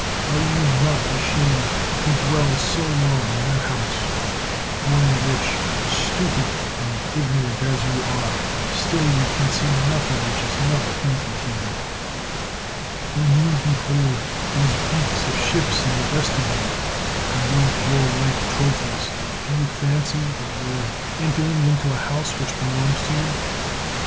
Are you not ashamed to dwell so long in that house ? one in which, stupid and ignorant as you are, still you can see nothing which is not painful to you. When you behold those beaks of ships in the vestibule, and those warlike trophies, do you fancy that you are entering into a house which belongs to you?